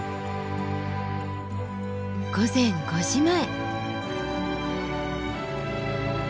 午前５時前。